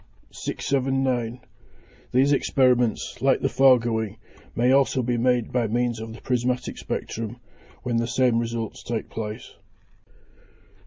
679. These experiments, like the foregoing, may also be made by means of the prismatic spectrum, when the same results take place.